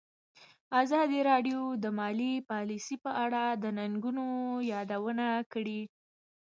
ازادي راډیو د مالي پالیسي په اړه د ننګونو یادونه کړې.